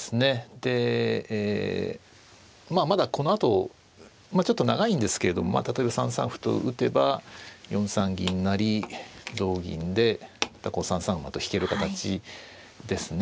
でえまだこのあとちょっと長いんですけれども例えば３三歩と打てば４三銀成同銀で３三馬と引ける形ですね。